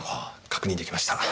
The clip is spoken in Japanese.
確認できました。